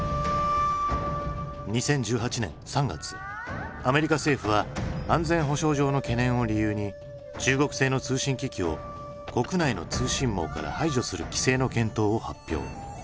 ２０１８年３月アメリカ政府は安全保障上の懸念を理由に中国製の通信機器を国内の通信網から排除する規制の検討を発表。